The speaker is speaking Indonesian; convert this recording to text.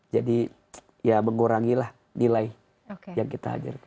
jadi ya mengurangilah nilai yang kita ajarin